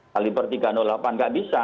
halibur tiga ratus delapan tidak bisa